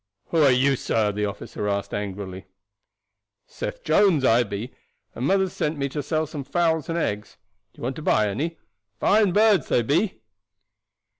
"Who are you, sir?" the officer asked angrily. "Seth Jones I be, and mother's sent me to sell some fowls and eggs. Do you want to buy any? Fine birds they be."